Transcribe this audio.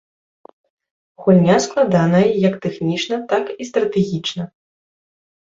Гульня складаная, як тэхнічна, так і стратэгічна.